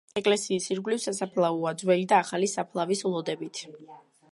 ეკლესიის ირგვლივ სასაფლაოა ძველი და ახალი საფლავის ლოდებით.